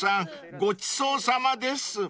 ごちそうさまです］